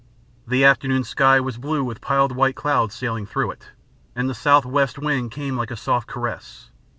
The afternoon sky was blue with piled white clouds sailing through it, and the southwest wind came like a soft caress.